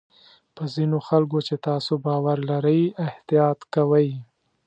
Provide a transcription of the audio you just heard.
په ځینو خلکو چې تاسو باور لرئ احتیاط کوئ.